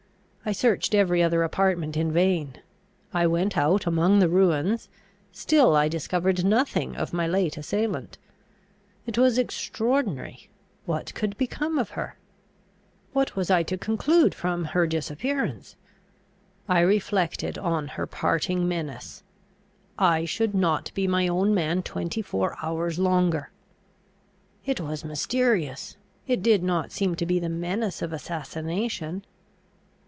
I searched every other apartment in vain. I went out among the ruins; still I discovered nothing of my late assailant. It was extraordinary: what could be become of her? what was I to conclude from her disappearance! I reflected on her parting menace, "I should not be my own man twenty four hours longer." It was mysterious! it did not seem to be the menace of assassination.